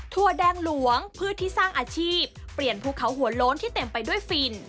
แดงหลวงพืชที่สร้างอาชีพเปลี่ยนภูเขาหัวโล้นที่เต็มไปด้วยฟิน